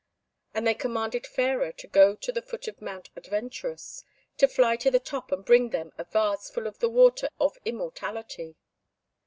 And they commanded Fairer to go to the foot of Mount Adventurous, to fly to the top, and bring them a vase full of the water of immortality.